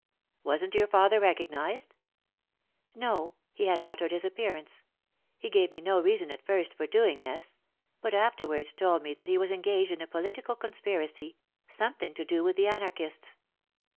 "Wasn't your father recognized?" "No; he had altered his appearance. He gave me no reason at first for doing this, but afterwards told me that he was engaged in a political conspiracy, something to do with the Anarchists."